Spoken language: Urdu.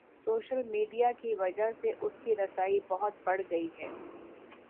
سوشل میڈیا کی وجہ سے اس کی رسائی بہت بڑھ گئی ہے۔